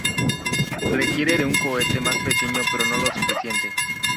Requiere de un cohete más pequeño pero no lo suficiente.